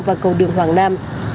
và cầu đường hoàng nam